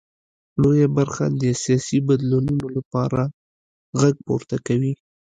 لویه برخه د سیاسي بدلونونو لپاره غږ پورته کوي.